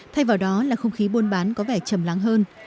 thay vào đó là không khí buôn bán có vẻ chầm lắng hơn